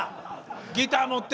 ギター持って。